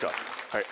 はい。